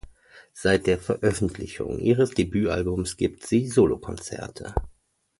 Seit der Veröffentlichung ihres Debütalbums gibt sie Solokonzerte.